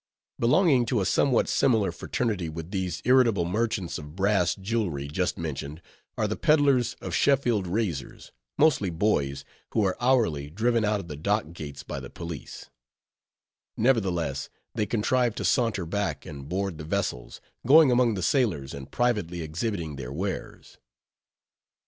Belonging to a somewhat similar fraternity with these irritable merchants of brass jewelry just mentioned, are the peddlers of Sheffield razors, mostly boys, who are hourly driven out of the dock gates by the police; nevertheless, they contrive to saunter back, and board the vessels, going among the sailors and privately exhibiting their wares.